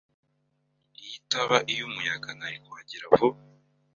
Iyo itaba iy'umuyaga, nari kuhagera vuba.